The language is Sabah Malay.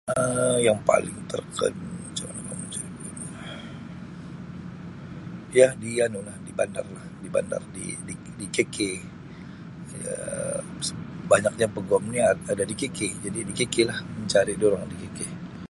Um Yang paling terkenal [unintelligible] ya di anu lah di bandarlah di bandar di KK banyaknya peguam ni ada di KK jadi di KK lah mencari dorang di KK.